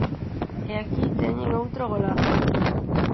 E aquí teñen outro golazo.